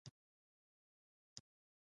د بلي دنیا پورې اړوند مباحث په کې شامل دي.